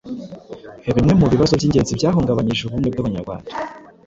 Bimwe mu bibazo by'ingenzi byahungabanyije ubumwe bw'Abanyarwanda